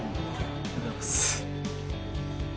ありがとうございます。